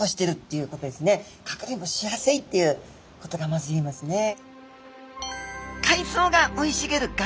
かくれんぼしやすいっていうことがまず言えますね。